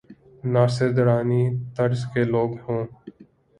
ناصر درانی طرز کے لو گ ہوں۔